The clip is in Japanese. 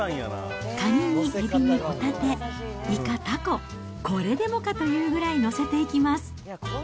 カニにエビにホタテ、イカ、タコ、これでもかというぐらい載せていきます。